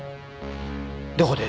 どこで？